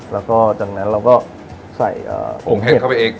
แล้วก็จากนั้นเราก็ใส่โปรงเห็ดเข้าไปอีก